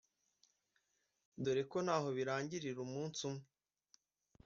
dore ko ntaho birangirira umunsi umwe